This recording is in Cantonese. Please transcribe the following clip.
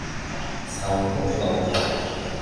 壽菊路